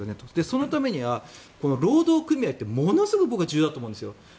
そのためには労働組合ってものすごい僕重要だと思うんですよ。